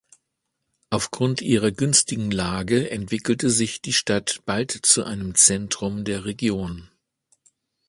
Aufgrund ihrer günstigen Lage entwickelte sich die Stadt bald zu einem Zentrum der Region.